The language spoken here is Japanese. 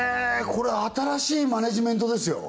これ新しいマネジメントですよ